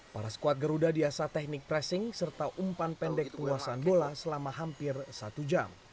para skuad garuda di asa teknik pressing serta umpan pendek keuasaan bola selama hampir satu jam